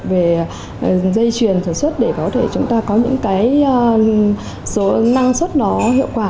về dây truyền sản xuất để có thể chúng ta có những số năng suất đó hiệu quả